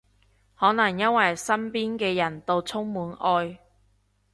可能因為身邊嘅人到充滿愛